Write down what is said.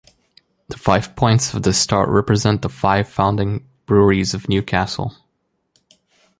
The five points of the star represent the five founding breweries of Newcastle.